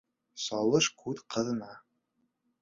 Салыш күҙ ҡыҙына!